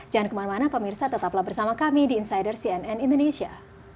jangan kemana mana pemirsa tetaplah bersama kami di insider cnn indonesia